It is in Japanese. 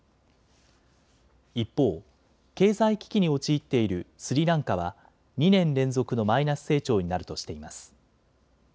一方、経済危機に陥っているスリランカは２年連続のマイナス成長になるとしています。